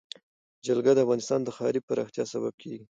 جلګه د افغانستان د ښاري پراختیا سبب کېږي.